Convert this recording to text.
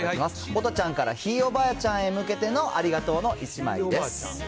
おとちゃんから、ひいおばあちゃんへ向けてのありがとうの１枚です。